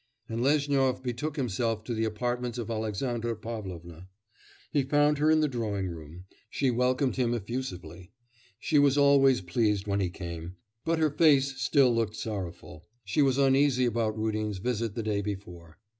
And Lezhnyov betook himself to the apartments of Alexandra Pavlovna. He found her in the drawing room. She welcomed him effusively. She was always pleased when he came; but her face still looked sorrowful. She was uneasy about Rudin's visit the day before.